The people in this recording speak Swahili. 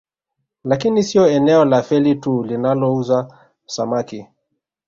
Lakini sio eneo la Feli tu linalouza samaki